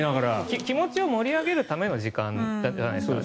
気持ちを高めるための時間じゃないですか。